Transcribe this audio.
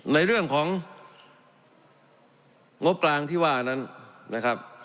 ในเรื่องของงบกลางที่ว่านั้นนะครับ